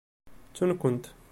Ttun-kent.